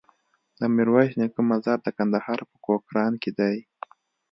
د ميرويس نيکه مزار د کندهار په کوکران کی دی